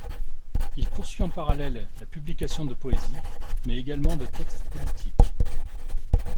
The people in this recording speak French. Il poursuit en parallèle la publication de poésie, mais également de textes politiques.